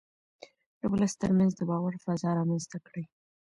د ولس ترمنځ د باور فضا رامنځته کړئ.